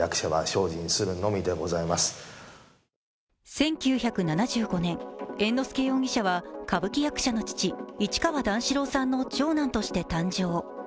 １９７５年、猿之助容疑者は歌舞伎役者の父、市川段四郎さんの長男として誕生。